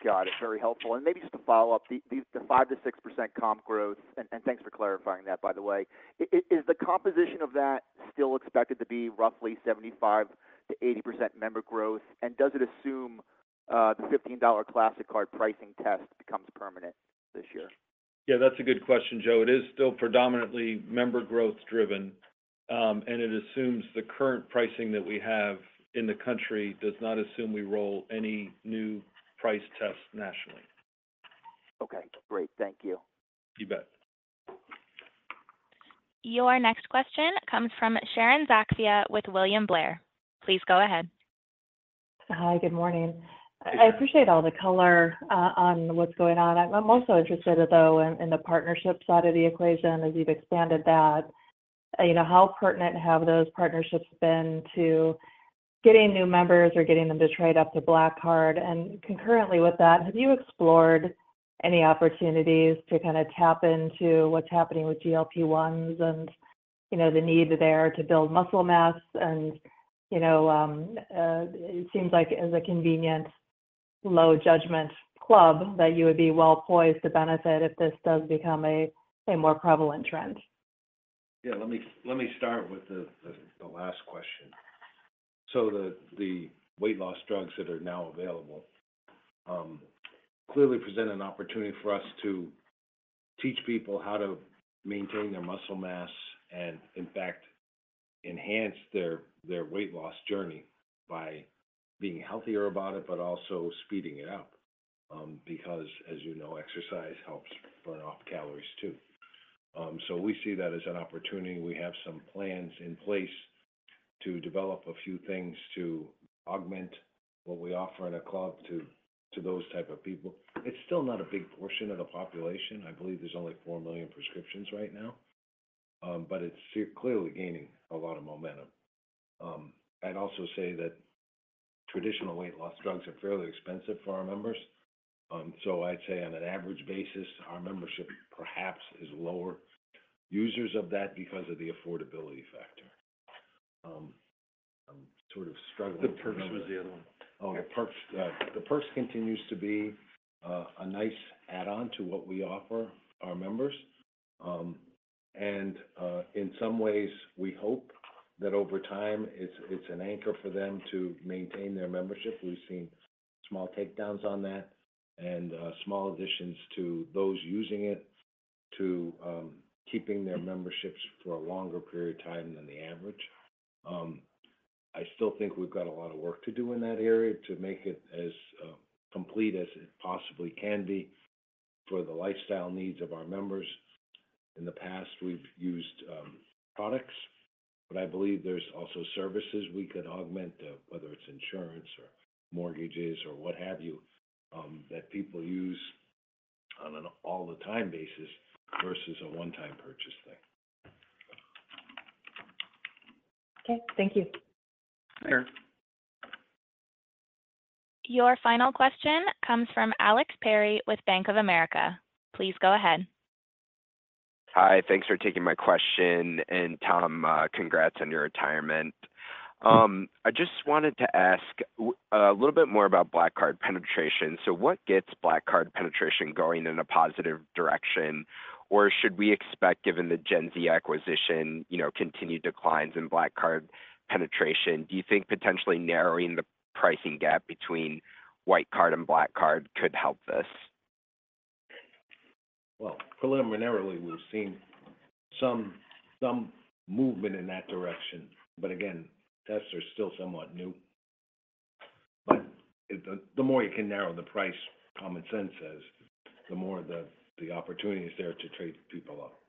Got it. Very helpful. Maybe just to follow up, the 5%-6% comp growth and thanks for clarifying that, by the way. Is the composition of that still expected to be roughly 75%-80% member growth? And does it assume the $15 Classic Card pricing test becomes permanent this year? Yeah, that's a good question, Joe. It is still predominantly member growth-driven. And it assumes the current pricing that we have in the country. Does not assume we roll any new price test nationally. Okay. Great. Thank you. You bet. Your next question comes from Sharon Zackfia with William Blair. Please go ahead. Hi. Good morning. I appreciate all the color on what's going on. I'm also interested, though, in the partnership side of the equation as you've expanded that. How pertinent have those partnerships been to getting new members or getting them to trade up to Black Card? And concurrently with that, have you explored any opportunities to kind of tap into what's happening with GLP-1s and the need there to build muscle mass? And it seems like as a convenient, low-judgment club that you would be well-poised to benefit if this does become a more prevalent trend. Yeah. Let me start with the last question. So the weight loss drugs that are now available clearly present an opportunity for us to teach people how to maintain their muscle mass and, in fact, enhance their weight loss journey by being healthier about it but also speeding it up because, as you know, exercise helps burn off calories, too. So we see that as an opportunity. We have some plans in place to develop a few things to augment what we offer in a club to those type of people. It's still not a big portion of the population. I believe there's only 4 million prescriptions right now. But it's clearly gaining a lot of momentum. I'd also say that traditional weight loss drugs are fairly expensive for our members. So I'd say, on an average basis, our membership perhaps is lower. Users of that because of the affordability factor. I'm sort of struggling with that. The Perks was the other one. Oh, the Perks. The Perks continues to be a nice add-on to what we offer our members. And in some ways, we hope that over time, it's an anchor for them to maintain their membership. We've seen small takedowns on that and small additions to those using it to keeping their memberships for a longer period of time than the average. I still think we've got a lot of work to do in that area to make it as complete as it possibly can be for the lifestyle needs of our members. In the past, we've used products. But I believe there's also services we could augment, whether it's insurance or mortgages or what have you, that people use on an all-the-time basis versus a onetime purchase thing. Okay. Thank you. Hi. Your final question comes from Alex Perry with Bank of America. Please go ahead. Hi. Thanks for taking my question. And Tom, congrats on your retirement. I just wanted to ask a little bit more about Black Card penetration. So what gets Black Card penetration going in a positive direction? Or should we expect, given the Gen Z acquisition, continued declines in Black Card penetration? Do you think potentially narrowing the pricing gap between Classic Card and Black Card could help this? Well, preliminarily, we've seen some movement in that direction. But again, tests are still somewhat new. But the more you can narrow the price, common sense says, the more the opportunity is there to trade people up.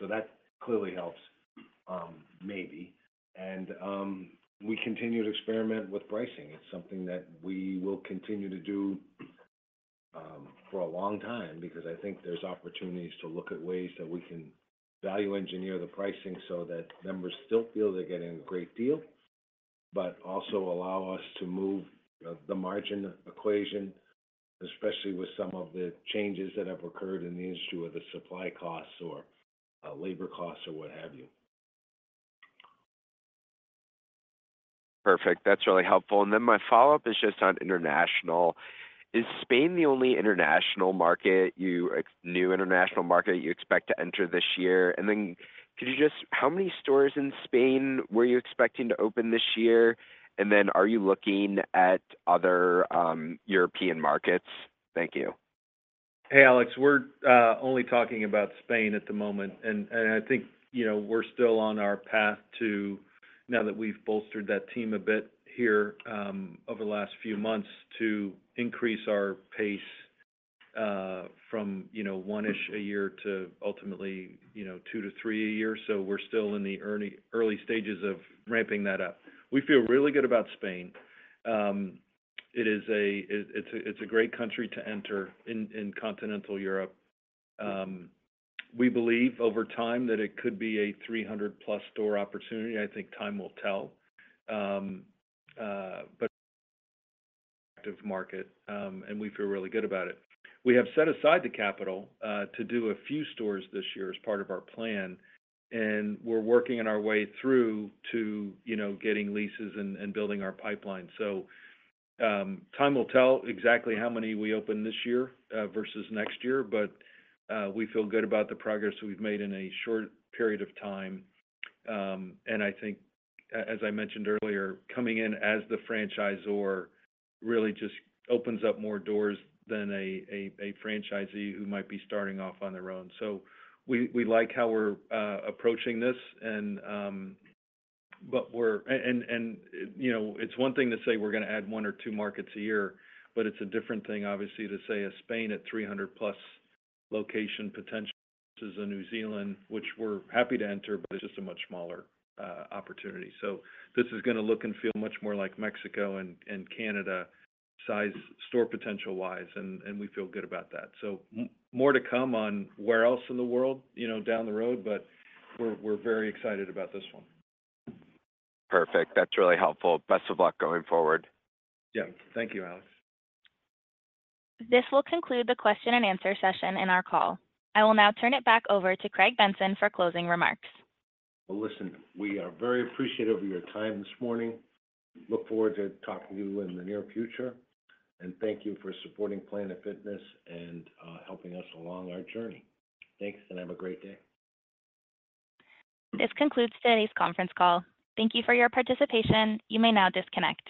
So that clearly helps, maybe. And we continue to experiment with pricing. It's something that we will continue to do for a long time because I think there's opportunities to look at ways that we can value engineer the pricing so that members still feel they're getting a great deal but also allow us to move the margin equation, especially with some of the changes that have occurred in the industry with the supply costs or labor costs or what have you. Perfect. That's really helpful. And then my follow-up is just on international. Is Spain the only international market, new international market, you expect to enter this year? And then could you just how many stores in Spain were you expecting to open this year? And then are you looking at other European markets? Thank you. Hey, Alex. We're only talking about Spain at the moment. I think we're still on our path to, now that we've bolstered that team a bit here over the last few months, to increase our pace from one-ish a year to ultimately two to three a year. We're still in the early stages of ramping that up. We feel really good about Spain. It's a great country to enter in Continental Europe. We believe, over time, that it could be a 300+ store opportunity. I think time will tell. But. Active market. And we feel really good about it. We have set aside the capital to do a few stores this year as part of our plan. We're working our way through to getting leases and building our pipeline. Time will tell exactly how many we open this year versus next year. But we feel good about the progress we've made in a short period of time. And I think, as I mentioned earlier, coming in as the franchisor really just opens up more doors than a franchisee who might be starting off on their own. So we like how we're approaching this. And it's one thing to say we're going to add one or two markets a year. But it's a different thing, obviously, to say a Spain at 300+ location potential versus a New Zealand, which we're happy to enter, but it's just a much smaller opportunity. So this is going to look and feel much more like Mexico and Canada size store potential-wise. And we feel good about that. So more to come on where else in the world down the road. But we're very excited about this one. Perfect. That's really helpful. Best of luck going forward. Yeah. Thank you, Alex. This will conclude the question-and-answer session in our call. I will now turn it back over to Craig Benson for closing remarks. Well, listen, we are very appreciative of your time this morning. Look forward to talking to you in the near future. Thank you for supporting Planet Fitness and helping us along our journey. Thanks. Have a great day. This concludes today's conference call. Thank you for your participation. You may now disconnect.